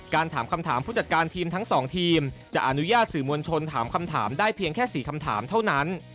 ถามคำถามผู้จัดการทีมทั้ง๒ทีมจะอนุญาตสื่อมวลชนถามคำถามได้เพียงแค่๔คำถามเท่านั้น